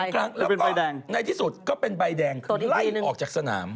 ครั้งแล้วก็ในที่สุดก็เป็นใบแดงคือไล่ออกจากสนาม